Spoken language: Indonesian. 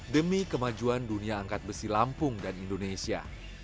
demi kemajuan dunia angkat besi lampung dan indonesia